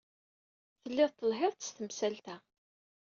Telliḍ telhiḍ-d s temsalt-a.